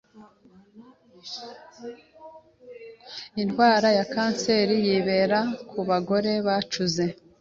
indwara ya kenseri y’ibere ku bagore bacuze